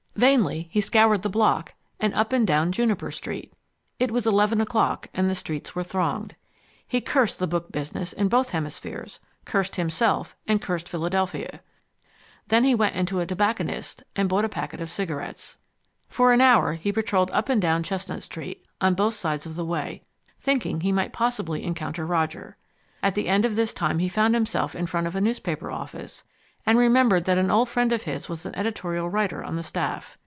Vainly he scoured the block and up and down Juniper Street. It was eleven o'clock, and the streets were thronged. He cursed the book business in both hemispheres, cursed himself, and cursed Philadelphia. Then he went into a tobacconist's and bought a packet of cigarettes. For an hour he patrolled up and down Chestnut Street, on both sides of the way, thinking he might possibly encounter Roger. At the end of this time he found himself in front of a newspaper office, and remembered that an old friend of his was an editorial writer on the staff.